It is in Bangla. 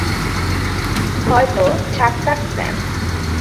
হয়তো, ঝাক্কাস প্ল্যান।